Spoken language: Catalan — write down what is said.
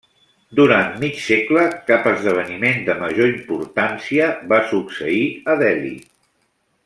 Durant mig segle cap esdeveniment de major importància va succeir a Delhi.